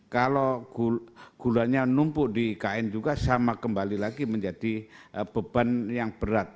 kalau gulanya numpuk di ikn juga sama kembali lagi menjadi beban yang berat